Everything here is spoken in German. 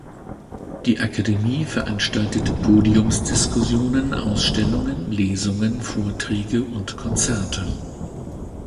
Die Akademie veranstaltet Podiumsdiskussionen, Ausstellungen, Lesungen, Vorträge und Konzerte.